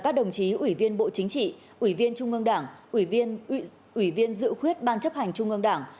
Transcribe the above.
các đồng chí ủy viên bộ chính trị ủy viên trung ương đảng ủy viên dự khuyết ban chấp hành trung ương đảng